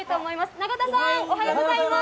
永田さん、おはようございます。